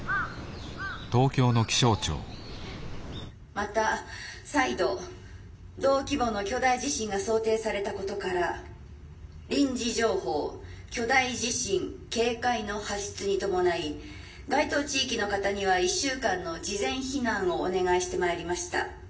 「また再度同規模の巨大地震が想定されたことから臨時情報巨大地震警戒の発出に伴い該当地域の方には１週間の事前避難をお願いしてまいりました。